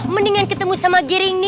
mendingan ketemu sama giring neji